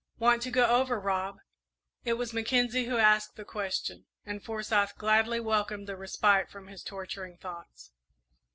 "Want to go over, Rob?" It was Mackenzie who asked the question, and Forsyth gladly welcomed the respite from his torturing thoughts.